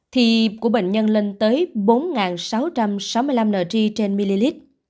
thì của bệnh nhân lên tới bốn sáu trăm sáu mươi năm ng trên ml